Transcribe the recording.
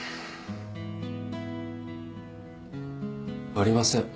ありません。